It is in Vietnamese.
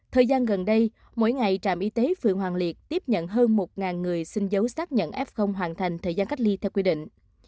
thời gian gần đây mỗi ngày trạm y tế phường hoàng liệt tiếp nhận hơn một người xin dấu xác nhận f hoàn thành thời gian cách ly theo quy định